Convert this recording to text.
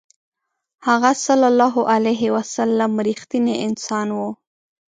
هغه ﷺ رښتینی انسان و.